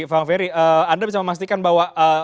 bang ferry anda bisa memastikan bahwa